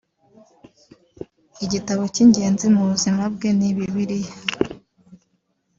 Igitabo cy’ingenzi mu buzima bwe ni Bibiliya